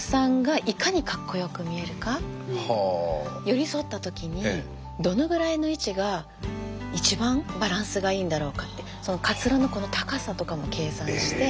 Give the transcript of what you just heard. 寄り添ったときにどのぐらいの位置が一番バランスがいいんだろうかってカツラのこの高さとかも計算して。